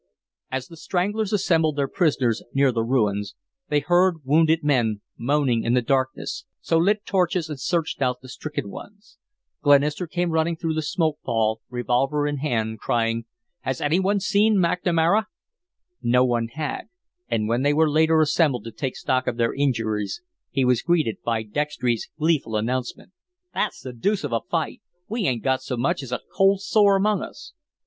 As the "Stranglers" assembled their prisoners near the ruins, they heard wounded men moaning in the darkness, so lit torches and searched out the stricken ones. Glenister came running through the smoke pall, revolver in hand, crying: "Has any one seen McNamara?" No one had, and when they were later assembled to take stock of their injuries he was greeted by Dextry's gleeful announcement: "That's the deuce of a fight. We 'ain't got so much as a cold sore among us."